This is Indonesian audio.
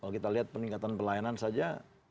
kalau kita lihat peningkatan pelayanan saja